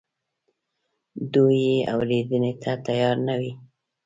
دوی یې اورېدنې ته تیار نه وي.